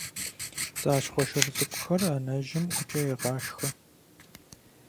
ПцӀащхъуэ шыр цӀыкӀухэр анэжьым ӀукӀэ егъашхэ.